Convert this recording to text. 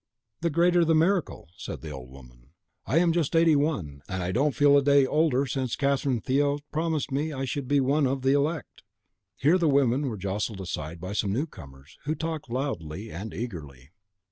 "The greater the miracle," said the old woman. "I am just eighty one, and I don't feel a day older since Catherine Theot promised me I should be one of the elect!" Here the women were jostled aside by some newcomers, who talked loud and eagerly.